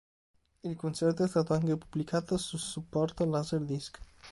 Il concerto è stato anche pubblicato su supporto Laser disc.